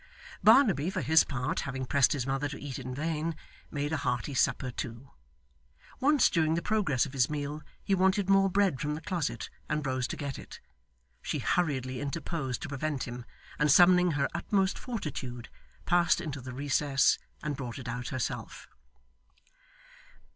Barnaby, for his part, having pressed his mother to eat in vain, made a hearty supper too. Once during the progress of his meal, he wanted more bread from the closet and rose to get it. She hurriedly interposed to prevent him, and summoning her utmost fortitude, passed into the recess, and brought it out herself.